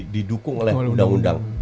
didukung oleh undang undang